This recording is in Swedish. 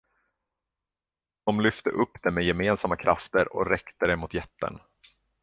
De lyfte upp det med gemensamma krafter och räckte det mot jätten.